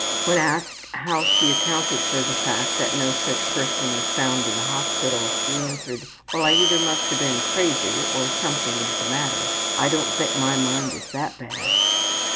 When asked how she accounted for the fact that no such person was found in the hospital, she answered, ``Well, I either must have been crazy or something is the matter, and I don't think my mind is that bad.''